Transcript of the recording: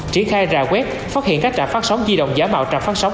triển khai ra web phát hiện các trạm phát sóng di động giả mạo trạm phát sóng